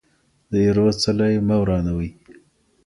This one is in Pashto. د ايرو څلی مه ورانوئ.